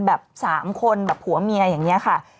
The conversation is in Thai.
แบบ๓คนแบบผัวเมียอย่างนี้ค่ะ